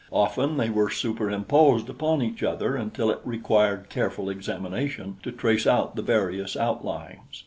Often they were super imposed upon each other until it required careful examination to trace out the various outlines.